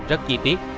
rất chi tiết